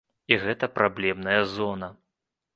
І гэта праблемная зона.